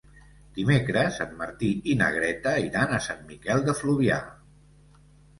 Dimecres en Martí i na Greta iran a Sant Miquel de Fluvià.